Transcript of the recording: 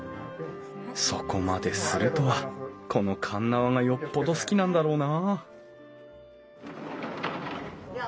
そこまでするとはこの鉄輪がよっぽど好きなんだろうなあ